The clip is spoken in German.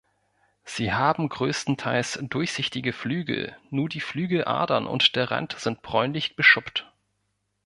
Sie haben größtenteils durchsichtige Flügel, nur die Flügeladern und der Rand sind bräunlich beschuppt.